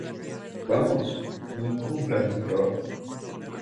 Vamos. No incumplan en su trabajo .